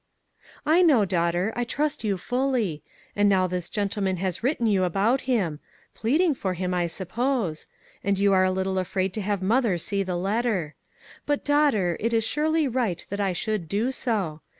" I know, daughter. I trust you fully. And now this gentleman has written you about him ; pleading for him I suppose ; and you are a little afraid to have mother see the letter. But, daughter, it is surely right that I should do so.